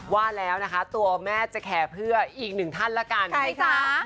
ว่าแล้วนะคะตัวแม่จะแขพือกี๊อีกหนึ่งท่านล่ะกันที่คือใครคะ